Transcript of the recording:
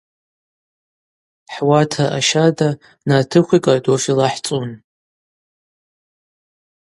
Хӏуатра ащарда нартыхви кӏартӏофи лахӏцӏун.